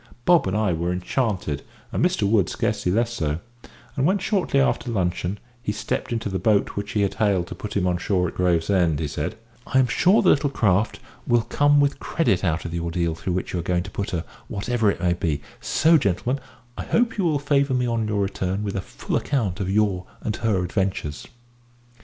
Bob and I were enchanted, and Mr Wood scarcely less so; and when, shortly after luncheon, he stepped into the boat which he had hailed to put him on shore at Gravesend, he said, "I am sure the little craft will come with credit out of the ordeal through which you are going to put her, whatever it may be; so, gentlemen, I hope you will favour me on your return with a full account of your and her adventures."